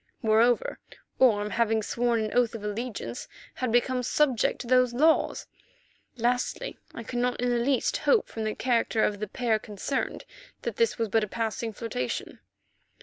Moreover, Orme, having sworn an oath of allegiance, had become subject to those laws. Lastly, I could not in the least hope from the character of the pair concerned that this was but a passing flirtation.